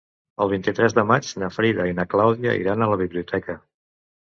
El vint-i-tres de maig na Frida i na Clàudia iran a la biblioteca.